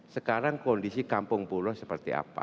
sekarang kondisi kampung pulau seperti apa